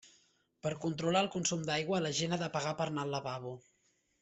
Per controlar el consum d'aigua, la gent ha de pagar per anar al lavabo.